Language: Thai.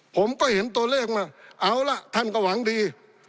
ผมก็เห็นตัวเลขมาเอาล่ะท่านก็หวังดี